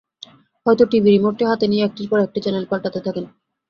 হয়তো টিভি রিমোটটি হাতে নিয়ে একটির পর একটি চ্যানেল পাল্টাতে থাকেন।